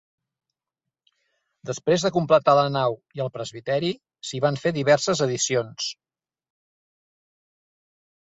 Després de completar la nau i el presbiteri, s'hi van fer diverses addicions.